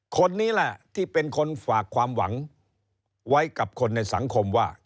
คนนี้แหละที่เป็นคนฝากความหวังไว้กับคนในสังคมว่า